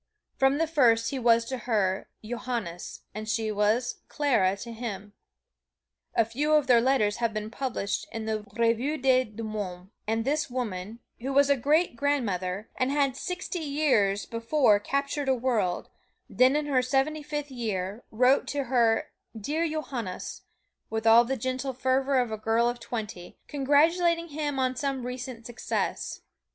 From the first he was to her, "Johannes," and she was "Clara" to him. A few of their letters have been published in the "Revue des deux Mondes," and this woman, who was a great grandmother, and had sixty years before captured a world, then in her seventy fifth year, wrote to her "Dear Johannes" with all the gentle fervor of a girl of twenty, congratulating him on some recent success.